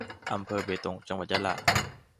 อำเภอเบตง จังหวัดยะลา